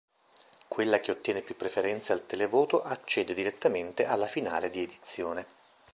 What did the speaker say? Quella che ottiene più preferenze al televoto accede direttamente alla finale di edizione.